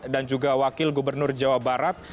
dan juga wakil gubernur jawa barat